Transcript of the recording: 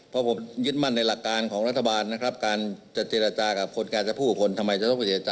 เป็นกฎหมายทั้งสิ้นนะครับ